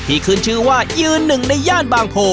ขึ้นชื่อว่ายืนหนึ่งในย่านบางโพ